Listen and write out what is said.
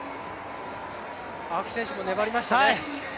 青木選手も粘りましたね。